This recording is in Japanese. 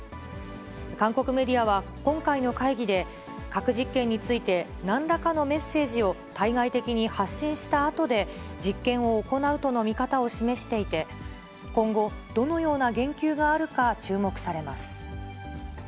韓国メディアは、今回の会議で、核実験について、なんらかのメッセージを対外的に発信したあとで、実験を行うとの見方を示していて、今後、どのような言及があるか注目されます。